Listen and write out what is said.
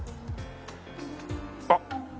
あっ！